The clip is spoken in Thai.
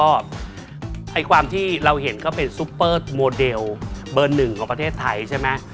ไอ้ความที่เราเห็นก็เป็นซุปเปอร์โมเดลเบอร์หนึ่งของประเทศไทยใช่ไหม